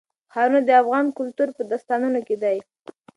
ښارونه د افغان کلتور په داستانونو کې دي.